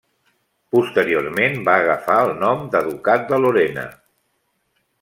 Posteriorment va agafar el nom de ducat de Lorena.